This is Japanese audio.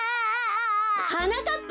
はなかっぱ！